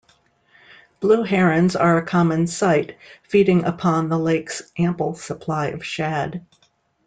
Blue Herons are a common sight feeding upon the lake's ample supply of shad.